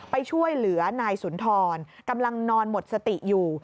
ไปช่วยเหลือนายสุนทรกำลังนอนหมดสติอยู่